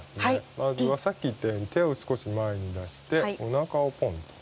まずは、さっき言ったように手を少し前に出しておなかをぽんと。